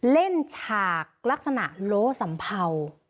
ฉากลักษณะโล้สัมเภา